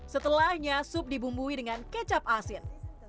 setelahnya sup dibumbui dengan kecap asin